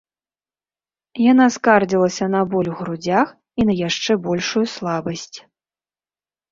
Яна скардзілася на боль у грудзях і на яшчэ большую слабасць.